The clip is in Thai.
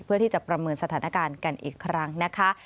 เพื่อที่จะประเมินสถานการณ์กันอีกครั้งนะคะ